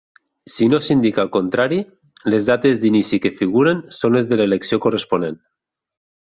Si no s'indica el contrari, les dates d'inici que figuren són les de l'elecció corresponent.